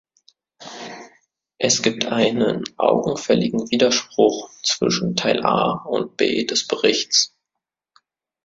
Es gibt einen augenfälligen Widerspruch zwischen Teil A und B des Berichts.